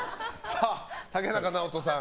竹中直人さん